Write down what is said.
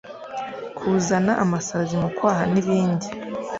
Kuzana amasazi mu kwaha n’ibindi”